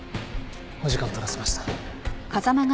お時間取らせました。